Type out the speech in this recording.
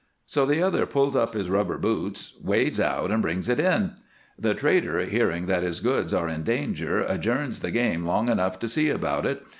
So the other pulls up his rubber boots, wades out, and brings it in. The trader, hearing that his goods are in danger, adjourns the game long enough to see about it.